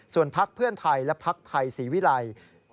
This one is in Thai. ส่วนพักเพื่อไทยและพักไทยศรีวิรัย